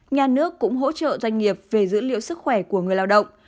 nhà nước cũng hỗ trợ doanh nghiệp về dữ liệu sức khỏe của người lao động